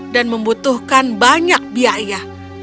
dan membutuhkan banyak biaya